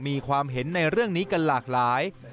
มีความเห็นในเรื่องนี้กันหลากหลาย